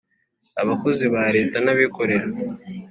abakozi ba leta, nabikorera